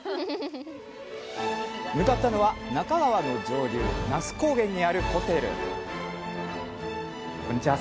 向かったのは那珂川の上流那須高原にあるホテルこんにちは。